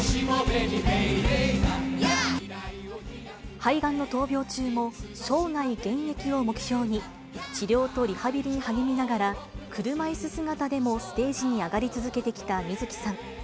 肺がんの闘病中も、生涯現役を目標に、治療とリハビリに励みながら、車いす姿でもステージに上がり続けてきた水木さん。